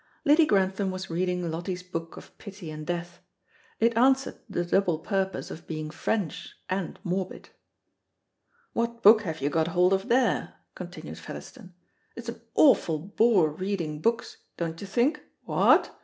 Lady Grantham was reading Loti's book of pity and death. It answered the double purpose of being French and morbid. "What book have you got hold of there?" continued Featherstone. "It's an awful bore reading books, dontcherthink, what?